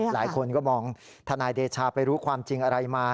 หลายคนก็มองทนายเดชาไปรู้ความจริงอะไรมา